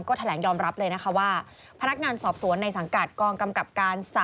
ก็แถลงยอมรับเลยนะคะว่าพนักงานสอบสวนในสังกัดกองกำกับการ๓